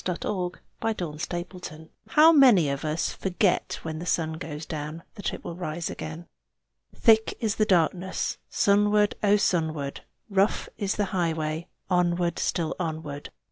_ THICK IS THE DARKNESS How many of us forget when the sun goes down that it will rise again! Thick is the darkness Sunward, O, sunward! Rough is the highway Onward, still onward!